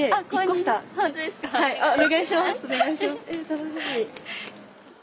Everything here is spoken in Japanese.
楽しみ。